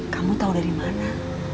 kamu tahu dari mana